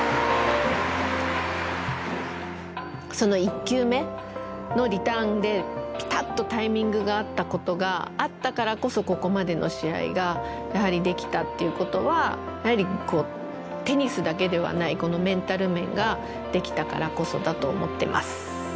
その１球目のリターンでピタッとタイミングが合ったことがあったからこそここまでの試合ができたっていうことはやはりテニスだけではないこのメンタル面ができたからこそだと思ってます。